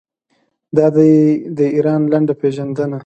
دا دی د ایران لنډه پیژندنه.